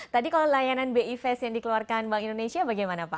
tadi kalau layanan bi fast yang dikeluarkan bank indonesia bagaimana pak